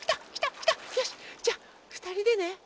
よしじゃあふたりでね。